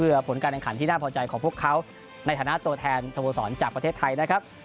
เพื่อผลการแข่งขันที่น่าพอใจของพวกเขาในฐานะตัวแทนสโมสรจากประเทศไทยนะครับ